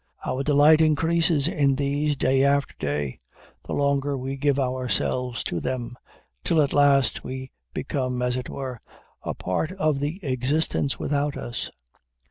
Our delight increases in these, day after day, the longer we give ourselves to them, till at last we become, as it were, a part of the existence without us.